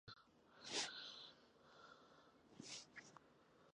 কিছু লিনাক্স পরিবেশক অতিরিক্ত ফন্ট ইনস্টল করার পর ইমোজি সমর্থন করে।